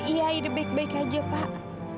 iya aida baik baik saja pak